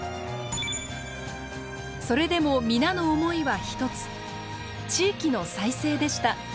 それでも皆の思いは一つ「地域の再生」でした。